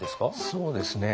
そうですね。